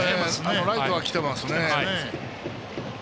ライトは来てますね。